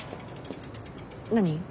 何？